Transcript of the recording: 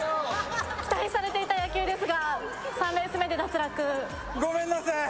期待されていた野球ですが３レース目で脱落ごめんなさい